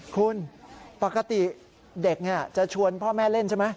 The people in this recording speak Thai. คุณปกติเด็กจะชวนพ่อแม่เล่นใช่ไหม